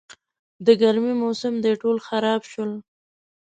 د ګرمي موسم دی، ټول خراب شول.